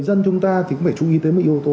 dân chúng ta thì cũng phải chú ý tới một yếu tố